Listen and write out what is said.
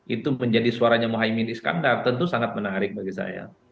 itu menjadi suaranya mohaimin iskandar tentu sangat menarik bagi saya